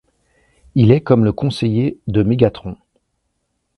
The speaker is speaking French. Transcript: Il est comme le conseiller de Mégatron.